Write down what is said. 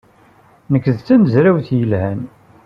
Nekk d tamezrawt yelhan.